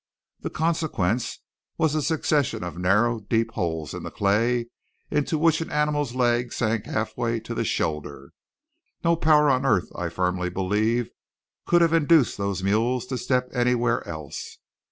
The consequence was a succession of narrow, deep holes in the clay, into which an animal's leg sank halfway to the shoulder. No power on earth, I firmly believe, could have induced those mules to step anywhere else.